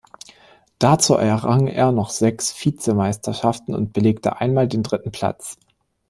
Dazu errang er noch sechs Vizemeisterschaften und belegte einmal den dritten Platz.